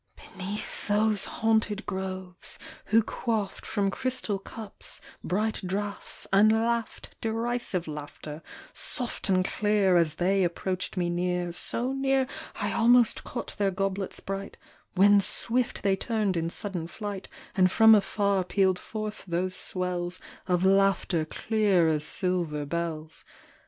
Beneath those haunted groves, who quaffed From crystal cups bright draughts, and laughed Derisive laughter, soft and clear, As they approached me near, — so near I almost cau2:ht their ^oblets bright, When swift they turned in sudden flight, And from afar pealed forth those swells Of laughter clear as silver bells.